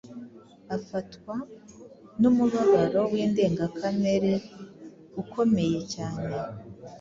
Afatwa n’umubabaro w’indengakamereukomeye cyane